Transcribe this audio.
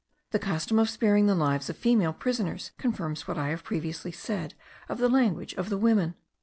The custom of sparing the lives of female prisoners confirms what I have previously said of the language of the women.